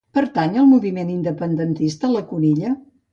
Pertany al moviment independentista la Conilla?